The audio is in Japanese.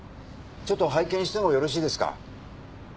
ちょっと拝見してもよろしいですか？